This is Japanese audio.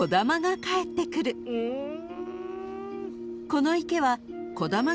［この池は］